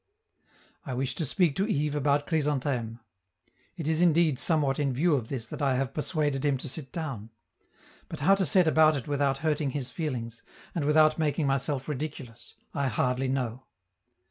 I wish to speak to Yves about Chrysantheme; it is indeed somewhat in view of this that I have persuaded him to sit down; but how to set about it without hurting his feelings, and without making myself ridiculous, I hardly know.